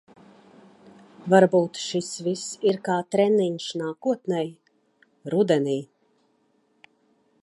Varbūt šis viss ir kā treniņš nākotnei? Rudenī.